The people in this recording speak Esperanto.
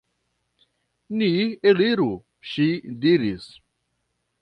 Ni eliru, ŝi diris.